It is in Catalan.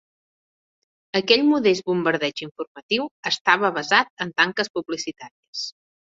Aquell modest bombardeig informatiu estava basat en tanques publicitàries.